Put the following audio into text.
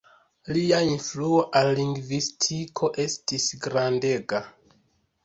Lia influo al lingvistiko estis grandega.